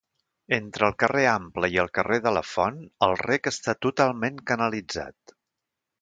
Entre el carrer Ample i el carrer de la Font el rec està totalment canalitzat.